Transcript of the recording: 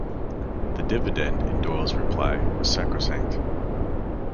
The dividend, in Doyle's reply, was sacrosanct.